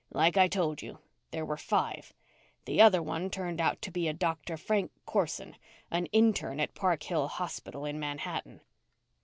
"Like I told you, there were five. The other one turned out to be a Doctor Frank Corson, an intern at Park Hill Hospital in Manhattan."